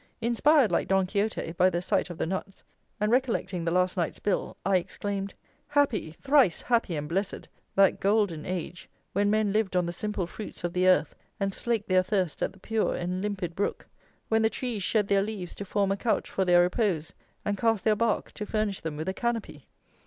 Inspired, like Don Quixote, by the sight of the nuts, and recollecting the last night's bill, I exclaimed: "Happy! thrice happy and blessed, that golden age, when men lived on the simple fruits of the earth and slaked their thirst at the pure and limpid brook! when the trees shed their leaves to form a couch for their repose, and cast their bark to furnish them with a canopy!